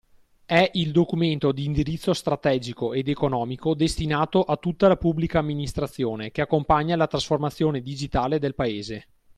È il documento di indirizzo strategico ed economico destinato a tutta la Pubblica Amministrazione che accompagna la trasformazione digitale del Paese.